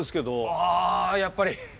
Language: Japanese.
ああやっぱり！